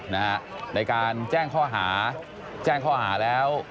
ในการแจ้งข้อหาแจ้งข้อหาแล้ว